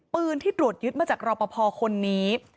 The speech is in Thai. ปืนที่ตรวจยึดมาจากรอปภคนนี้